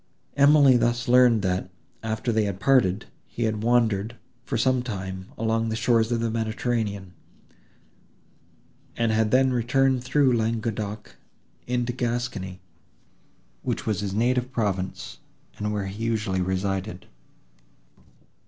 Emily thus learned that, after they had parted, he had wandered, for some time, along the shores of the Mediterranean, and had then returned through Languedoc into Gascony, which was his native province, and where he usually resided.